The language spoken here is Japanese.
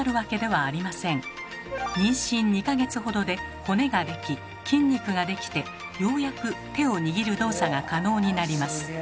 妊娠２か月ほどで骨ができ筋肉ができてようやく手を握る動作が可能になります。